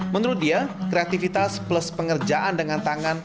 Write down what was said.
menurut dia kreativitas plus pengerjaan dengan tangan